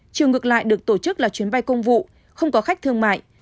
chiều ngược lại được tổ chức là chuyến bay công vụ không có khách thương mại